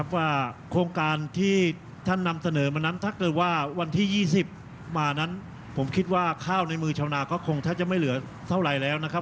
ว่าโครงการที่ท่านนำเสนอมานั้นถ้าเกิดว่าวันที่๒๐มานั้นผมคิดว่าข้าวในมือชาวนาก็คงแทบจะไม่เหลือเท่าไหร่แล้วนะครับ